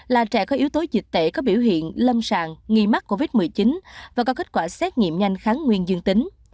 là trẻ có yếu tố dịch tễ có biểu hiện lâm sàng nghi mắc covid một mươi chín và có kết quả xét nghiệm nhanh kháng nguyên dương tính